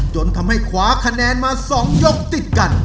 จนทำให้คว้าคะแนนมา๒ยกติดกัน